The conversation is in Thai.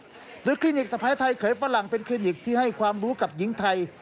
คลินิกสะพ้ายไทยเขยฝรั่งเป็นคลินิกที่ให้ความรู้กับหญิงไทย